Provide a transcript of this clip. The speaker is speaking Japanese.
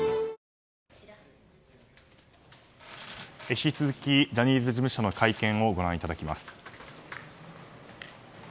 引き続きジャニーズ事務所の会見をご覧いただきます。